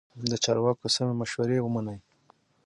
د چارواکو سمې مشورې ومنئ.